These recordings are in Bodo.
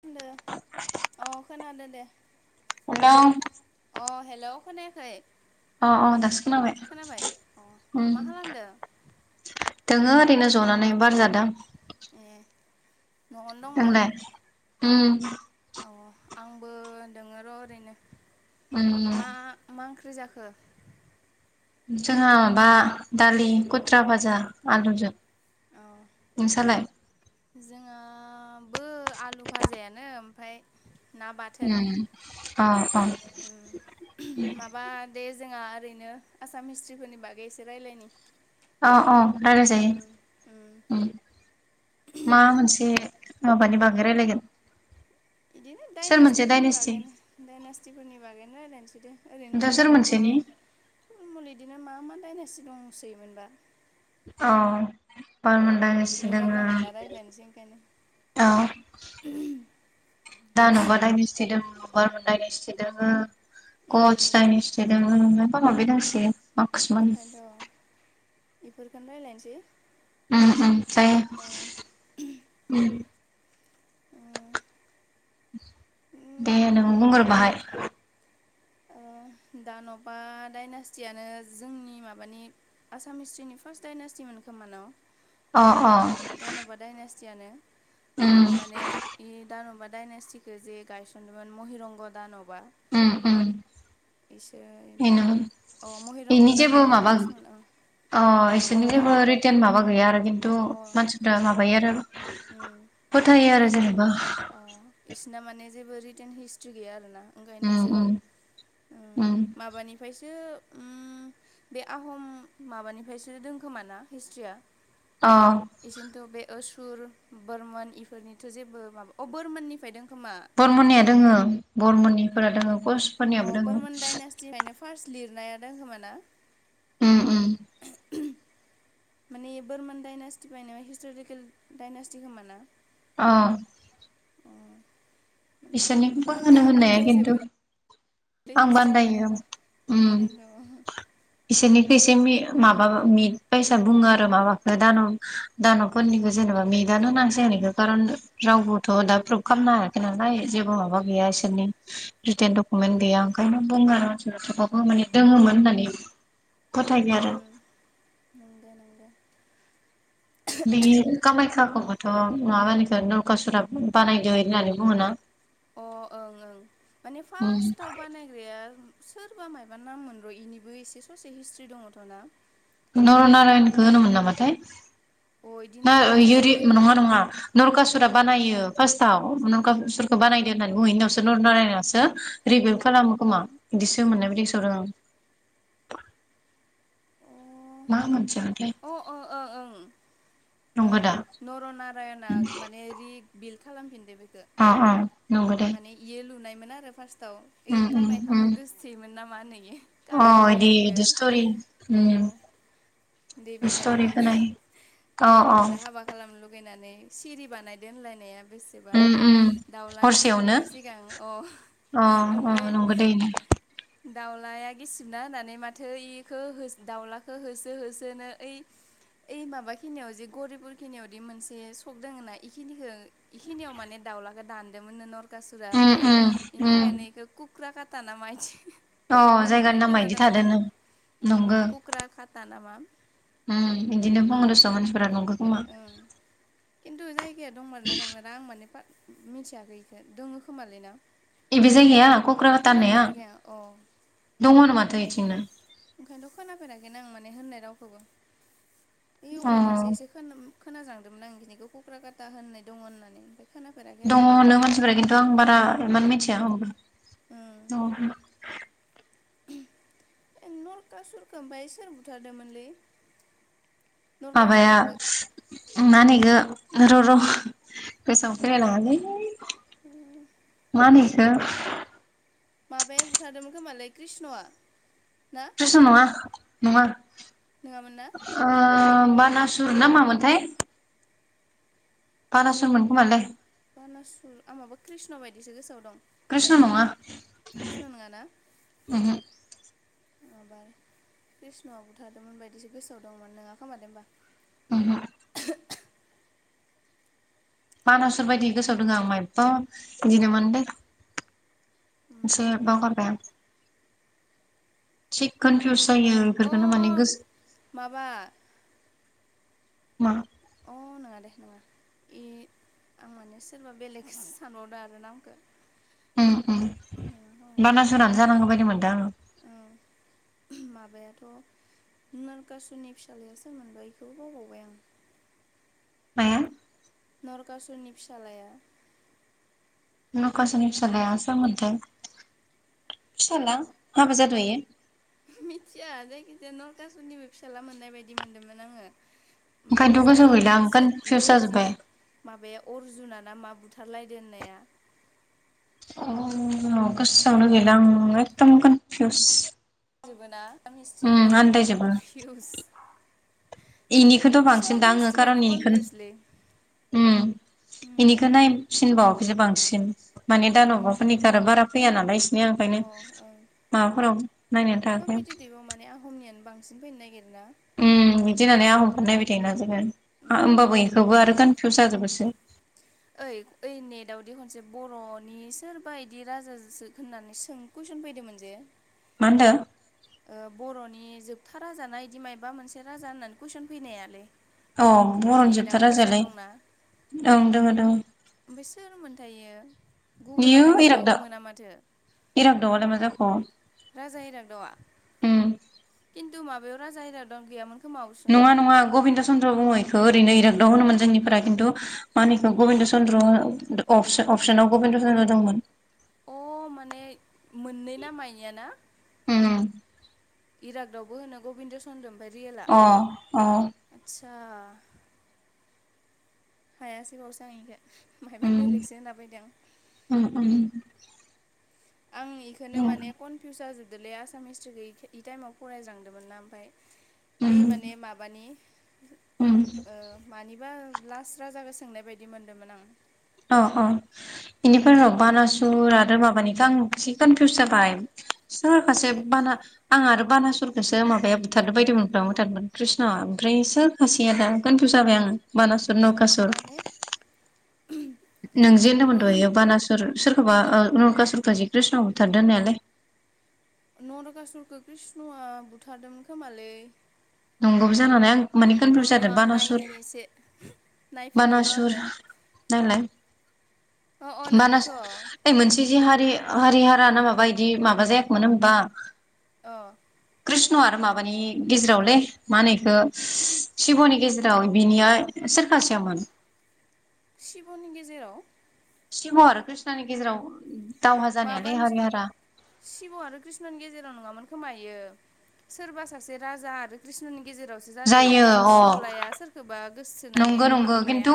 खोनदो अ खोनादो दे। हेलौ अ हेलौ खोनायाखै। अ अ दासो खोनाबाय अ उम मा खालामदो दोङो ओरैनो जनानै बार जादों। ए न'आवनो दंबा? नोंलाय उम अ आंबो दोङो र' ओरैनो उम मा मा ओंख्रि जाखो। जोंहा माबा दालि खुथ्रा भाजा आलुजों। अ नोंसालाय? जोंहाबो आलु भाजायानो ओमफाय ना बाथोन उम अ अ उम माबा दे जोंआ ओरैनो आसाम हिस्ट्रिफोरनि बागै एसे रायलायनि। अ अ रायलाय जायो उम मा मोनसे माबानि बागै रायलायगोन। बिदिनो सोर मोनसे दाइनेसटिफोरनि डाइनेस्टि बागैनो दाइनेसटिफोरनि बागैनो रायलायनोसैदे ओरैनो ओमफ्राय सोर थुलमुल मा मोनसेनि थुलमुल इदिनो मा मा दायनासि दंसैमोनबा। औ बारमोन डाइनेस्टि दोङो जानला मोनला रायलायनोसै ओंखायनो। दा नुबाथाय मिसथि दङ। [unintelligible] इसटि दोङो उम [unintelligible] दोङो मायबा माबि दोंसोयो। माखासे मानि इफोरखोनो रायलायनोसै। उम उम जायो उम उम दे उम नों बुंग्रो बाहाय। ओ दान'बा डाइनास्टियानो जोंनि माबानि आसाम हिस्ट्रिनि फार्स्ट डाइनास्टिमोन खोमा न'? अ अ दान'बा डायनेस्टियानो उम माने इ दान'बा डाइनेस्टिखो जे गायसनदोंमोन महिरंग' दान'बा उम उम। इसोर बेनोमोन अ' महिरंग बेनि जेबो दान'बानो माबा फार्स्टमोन ओं। अ' एसोरनि जेबो रिटेन माबा गैया आरो खिन्थु अ मानसिफ्रा माबायो आरो उम फोथायो आरो जेनोबा। अ बिसिना माने जेबो रिटेन हिस्ट्रि गैया आरोना ओंखायनो उम उम इसोरबो उम माबानिफ्रायसो उम, बे आहम माबानिफ्रायसो दंखोमा ना हिस्ट्रिया? अ इसेनोथ' बे ओसुर बोरमोन इफोरनिथ' जेबो माबा अ' बोरमोननिफ्राय दों। बरमनिया दोङो बरमनिफोरा दोङो। अ कचफोरनियाबो दोङो बर्मन डाइनेस्टिफ्रायनो फार्स्ट लिरनाया दं खोमा ना? उम उम। माने बर्मन डाइनास्टिनिफ्रायनो हिस्ट'रिकेल डाइनास्टि खोमा ना? अ। अ माने बिसोरनिखौबो आन्दा होनो होननाया खिनथु आन्दायजोबो आंबो हिस्ट्रिखौ आन्दायो उम। ओंखायनोथ' बिसोरनिखो इसे मे माबा मिट बायसा बुङो आरो माबाखौ दान'ब दान'बफोरनिखो जेनोबा मिटआनो होननांसिगोन इखो खारन रावबोथ' दा प्रुभ खामनो हाथ'या नाय जेबो माबा अ गैया इसोरनि रिटन डकुमेन्ट उम गैया ओंखायनो बुङा थेबाबबो माने दङोमोन होननानै फोथायो आरो उम नोंगो नोंगो। बि कामाख्याखौबो थ' माबानिखौ नरखासुरा बानायदो होननानै बुङोना? अ' ओं ओं माने उम फार्स्टआव बानायग्राया सोरबा मायबा नाममोन र' इनिबो एसे ससे हिस्ट्रि दङथ' ना? नरनारायनखौ होनोमोन नामाथाय अ इदिनो ना सोरबा इरि सासे नङा नङा नरखासु रा बानायो फार्सटआव नरखासुरखौ बानायदो होन्नानै बुङो इनि उनावसो नरनारायणसो रिभिबिल्ट खाल खालामो खोमा बिदिसो मोनाय बायदि गोसोआव दं आं। अ मा मोनसेमोनथाय अ अ ओं ओं। नंगौ ओं दा नरनारायणआ माने रिबिल्ट खालामफिनदो बे अ अ नंगौ दे। मोन आरो फार्स्टआव ओइ उम उम उम कामाख्याखौ गोसथोयोमोन नामा होनो आरो? अ इदि इदि स्तरि अ उम। देबिखौनो स्ट'रि माने खोनायो अ अ देबिखौनो हाबा खालाम नो लुगैनानै सिरि बानायदो होनलायनाया बेसेबा उम ओमफाय उम दाउला हरसेयावनो गिसिबिनि सिगां औ अ अ ओमफाय नंगौ [unintelligible] दाउलाया गिसिबना होननानै माथो इखौ होस दाउलाखौ होसो होसोनो ओइ ओइ माबा खिनियाव जे गौरिपुर खिनियावदि मोनसे सख दङ ना इखिनिखौ इखिनियाव माने दाउलाखौ दानदोंमोननो नर सुरा उम ओमफाय उम बेनि उम थाखायनो इखौ कुख्रा खाटा ना मादि, अ जायगानि होननो नामा इदि खोनादोंमोन थादोनो उम नंगो कुक्रा खाता नामा? उम दिनो बुङो दसन मानसि उम खिन्थु जायगाया दं मारोना ना दंमारा आं माने मिथियाखै इखौ दङो खोमालै ना? एबे जायगाया क'क्राकाता होनाया खोनाफेराखै आं अ दङ होनो माथो ओथिंनो, ओंखायनोथ' खोनाफेराखै आं माने होननाय रावखौबो बे अ अबावबासो एसे खोनोम खोनाज्रांदोंमोन आं बिदिखौ कुक्राकाता होननाय दङ होननानै खोनाफेराखै आरो दङ बुंनाय होननो मानसिफोरा रावनिबो खिन्थु आं बारा मिथिया [unintelligible] औ नरकासुरखो ओमफ्राय सोर बुथारदोंमोनलै, माबाया नरकासुरखौ मा मोनो इखो र' र' बेसां फैलायलाङालै मानै [unintelligible] माबाया बुथारदोंमोन खोमालै कृष्णआ ना कृष्ण नङा नङा नङामोन ना ओ बानासुर ना मामोनथाय, बारासुरमोन खोमालै, बानासुर माबा कृष्ण बायदिसो गोसोआव दं कृष्ण नङा कृष्ण नङा ओमहो माबार कृष्ण'आव बुथारदोंमोन बायदिसो गोसोआव दंमोन नङा खोमालै होनोमबा, ओमहो बानासुर बायदि गोसोआव दङो आं मायबा बिदिनोमोन दै, एसे बावगारबाय आं थि कनफिउस जायो अ बेफोरखौनो माने गोसो माबा मा अ नङा दे नङा ए आं माने सोरबा बेलेग सानबावदों आरो नामखो बानासुरनानै जानांगौ बायदि मोनदों आङो, [inaudible] माबायाथ' नरकासुनि फिसाज्लाया सोरमोनबा इखोबो बावबावबाय आं माया नरकासुरनि फिसालाया, नरकासुरनि फिसालाया सोरमोनथाय, फिसाला हाबा जादो इयो, मिथिया जायखिजाया नरकासुनिबो फिसााज्ला मोननाय बायदि मोनदोंमोन आङो, उम ओंखायनोथ' जाय गोसोआव गैला आं सो कनफिउस इखो जि जाजोब्बाय माबाया अर्जना ना मा बुथ बुथार लायदोंहोननाया, अ गोसोआवनो गैला आं एकदम कनफिउस, जोबोना [unintelligible] उम बायदिनो कनफिउस, बेनिखौथ' बांसिन सब दा आङो हिस्ट्रियानो खारन इनिखौनो कनफिउसलै उम, उम बेनिखो नायफिनबावाखैसो बांसिन माने उम दान'बाफोरनिखौ आरो बारा फैया नालाय इसिनिया अ ओंखायनो ओं माबाफोराव नायनानै थाङाखै, बिसिन फैनो नागिरो ना? उम बिदि होननानै आं [unintelligible] नायबाय थायोना जोङो उम होमबाबो इखौबो [unintelligible] थु जाजोबोसो ओइ ओइ नेटदावदि खनसे बर'नि सोरबा इदि राजाो होननानै सों कुइ फैदोंमोन जे, मा होनदों? ओ बर'नि जोबथा राजानाया बिदि मायबा मोनसे राजा होननानै कुइसन फैनायालै, औ बर'नि जोबथा नेटआव गोसोआव राजायालै दंना ओं दङ दङ। ओमफ्राय सोर मोनथायो गुगोलाव ननायागिरबाबो मोना माथो। इराग्दाव आ लाय मा जाखो राजा इरागदावा उम खिन्थु माबायाव राजा दं गैयामोन। खोमा अपसनाव नङा नङा गबिन्द चन्द्र बुङो ओरैनो इरागदाव होनोमोन जोंनिफ्रा खिन्थु मा होनो इखौ गबिन्द चन्द्र [unintelligible] [unintelligible] अ माने मोननै ना माइआ ना [unintelligible] इरागदावबो होनो गबिन्द चन्दम। अ अ। दा हायासै बावसो आं इख' माहायबा उम बेलेगसो होनलाबायदों उम उम आं इखोनो उम माने कनफिउस जाजोबदोलै आसाम हिसट्रि गै इ टाइमाव फरायज्रांदोंमोन ना ओमफ्राय उम ओइ माने माबानि उम ओ मानिबा लास्ट्रा जागो सोंनाय बायदि मोनदोंमोन आं। अ अ इनिफ्राय र बानासुर आरो माबानिखौ आं एसे कनफिउस जाबाय। सोर खासे सोरनो बाना आं आरो बानासुरखौसो माबाया बुथारदों बायदों [unintelligible] कृष्णआ ओमफ्राय सोर खासेया दा कनफिउस जाबाय आं। मानासुर नौकासर। माने नों जे होनदों दहायो बानासुर सोरखौबा ओ नरकासुरखौ जि कृष्ण आ बुथारदो होननायालाय [inaudible] नरकासुरखौ कृष्णआ बुथारदोंमोन खोमालै। नंगौबो जानो हानाय आं माने र' कनफिउस र' जादों आं बानासुर नायनि एसे नायफिनि र' आङो। अ अ [unintelligible] मानास नोंगोथ' ओइ मोनसे बिदि हारि हारि हारा ना माबा इदि माबा जायाखैमोन होमबा। ओ कृष्ण आरो माबानि गेजेरावलै मा होनो इखौ शिब'नि गेजेराव बिनिया सोर सासेयामोन? शिब'नि गेजेराव शिब' आरो कृष्णनि गेजेराव दावहा जानायालै माबानस हारि हारा शिब' आरो कृष्णनि गेजेराव नङामोन खोमा इयो सोरबा सासे राजा आरो कृष्णनि गेजेरावसो जादों जायो इनि अ फिसौलाया सोरखौबा गोसोथोनानै नंगौ नंगौ लांनाया खिन्थु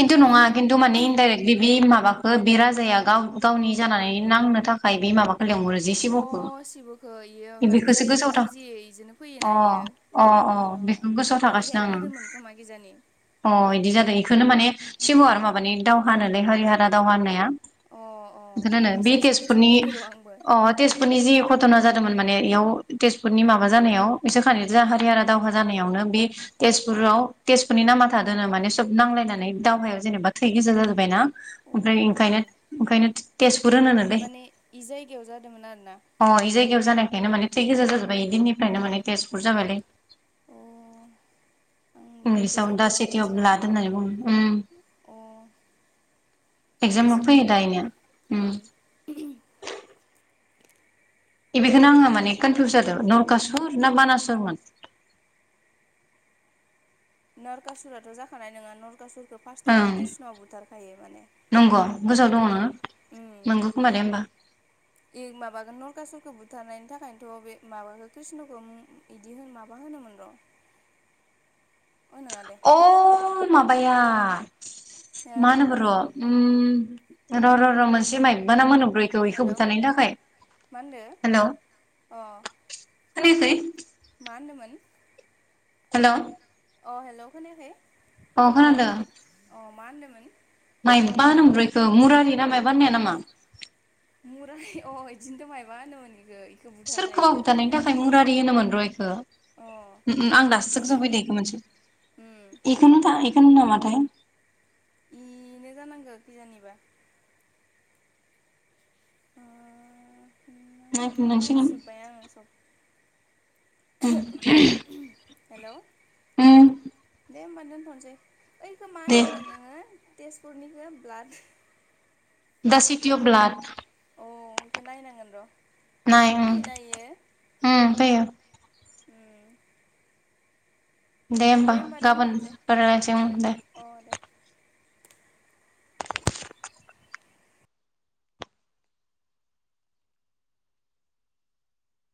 खिन्थु नङा खिन्थु माने इनडाइरेक्ट बे माबाखौ बि जाया गाव गावनि जानानै नांनो थाखाय बे माबा अ सिब'खौ इयो माने बेखौसो जायजों गोसोआव था फुजियो इजोंनो फैयोना अ इयो। अ औ बेखौ गोसोआव इ थागासिनो हेल्प होदोंमोन खोमा गिजानि आं अ इदि जादों इखौनो माने सिब' आरो माबानि दावहानानै हरि हारा दावहा होननाया। अ अ बिखोनो होनो बे एसे एसे गोसोआव तेजपुरनि फैदो र' आंबो अ तेजपुरनि जि घटना जा दोंमोन माने इयाव तेजपुरनि माबा जानायाव बिसोर खानैजों हारिहारा दावहा जानायावनो बे तेजपुर राव तेजपुरनि नामा थादोनो माने सब नांलायनानै दावहायाव जेनेबा थै गोजा जाजोबाय ना। अ ओमफ्राय ओंखायनो ओंखायनो तेज माने इ जायगायाव जादोंमोन आरोना। अ बे जायगायाव जानायखायनो माने थै गोजा जाजोब्बाय इदिननिफ्रायनो माने तेजपुर जाबायलै। अ। आं बेफोरखौ जेबोखौनो मिथियामोन अ [unintelligible] एगजामाव फैयो दा इनिया उम [unintelligible] बे बेखौनो आङो माने कनफिउस जादों नरकासुर ना बानासुरमोन [inaudible] नरकासुराथ' जाखानाय नङा नरकासुरखौ फार्स्टआवनो ओं कृष्णआ बुथारखायो माने। नंगौ गोसोआव दङ उम नोङो नोंगौ खोमा दे होमबा आं माबागोनन नरखा सुरखौ बुथारनायनि थाखायनोथ' बे माबाखौ कृष्णखौ बिदि होन माबा होन होनो मोन र' [inaudible] अ नङा दे अ माबाया हो मा होनमोन र' ओम र' र' र' मोनसे माइबा नाम होनोमोन। रयखौ इखो हेलौ बुथारनायनि थाखाय। मा होनदो हेल' अ खोनायाखै? मा होनदोमोन? हेल' अ हेल' खोनायाखै? अ खोनादों। अ मा होनदोंमोन? माइबा होनोमोन बेखौ मुरारि ना मायबा होननाया नामा? मुरारि अ इदिनोथ' माइबा होनोमोन इखो इखौ बुथारनायनि सोरखौबा थाखायनो बुथारनायनि नामा थाखाय मु रारि होनोमोन र इखौ। अ उम उम आं दासो गोसोआव फैदों‌ इखो मोनसे उम एखौ नोथ' होनो नामाथाय। इनो जानांगौ खि जानिबा। नायफिननांसिगोन बावजोब्बाय आङो सब। उम हेल' उम दे होमबा दोनथ'सै। ओइखौ मा दे होनदोंमोन नोङो तेजपुरनिखौ ब्लाड दा सिति अव ब्लाट। औ एसे नायनांगोन र' नाय उम फैयोना इयो? उम फैयो दे होमबा गाबोन रायलायसै ओम दे। अ दे